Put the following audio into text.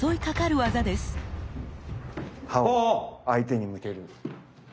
刃を相手に向ける。